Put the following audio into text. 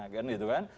kan gitu kan